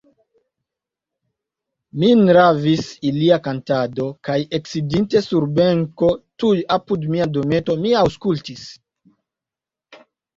Min ravis ilia kantado, kaj eksidinte sur benko tuj apud mia dometo, mi aŭskultis.